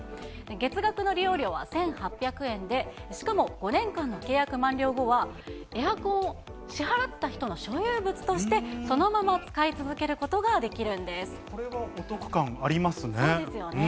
月額の利用料は１８００円で、しかも５年間の契約満了後は、エアコンを支払った人の所有物として、そのまま使い続けることがこれはお得感ありますね。